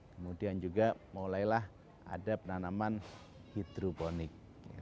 kemudian juga mulailah ada penanaman hidroponik